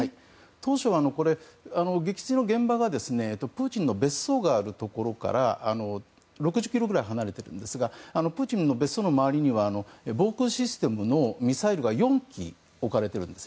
当初は、撃墜の現場がプーチンの別荘があるところから６０ｋｍぐらい離れてるんですがプーチンの別荘の周りには防空システムのミサイルが４機置かれているんです。